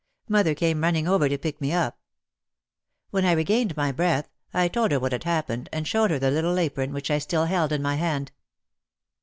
Mother came running over to pick me up. When I re gained my breath, I told her what had happened and showed her the little apron which I still held in my hand.